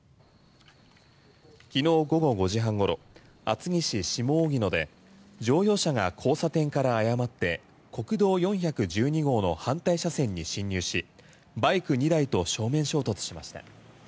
昨日午後５時半ごろ厚木市下荻野で乗用車が交差点から誤って国道４１２号の反対車線に進入しバイク２台と正面衝突しました。